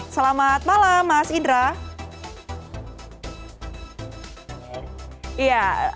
selamat malam mas indra